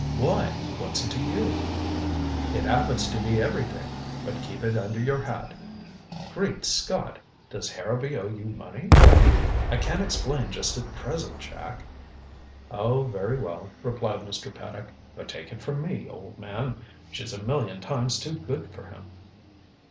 "Why, what's it to you?" "It happens to be everything. But keep it under your hat." "Great Scott does Harrowby owe you money?" "I can't explain just at present, Jack." "Oh, very well," replied Mr. Paddock. "But take it from me, old man she's a million times too good for him."